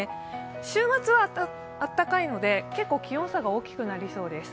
週末は暖かいので結構気温差が大きくなりそうです。